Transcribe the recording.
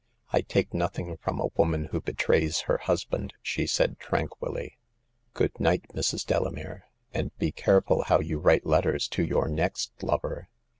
" I take nothing from a woman who betrays her husband," she said, tranquilly. Good night, Mrs. Delamere — and be careful how you write letters to your next lover.